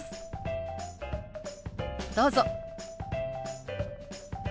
どうぞ。